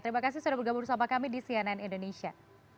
terima kasih sudah bergabung bersama kami di cnn indonesia